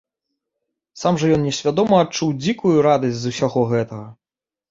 Сам жа ён несвядома адчуў дзікую радасць з усяго гэтага.